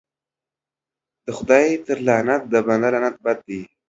د خداى تر لعنت د بنده لعنت بد دى.